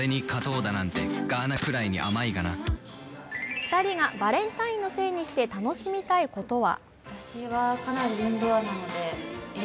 ２人がバレンタインのせいにして楽しみたいことは。